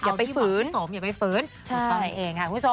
อย่าไปฝืนเอาที่หวังให้สมอย่าไปฝืนตัวเธอเองค่ะคุณผู้ชม